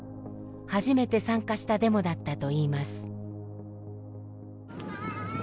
初めて参加したデモだったといいます。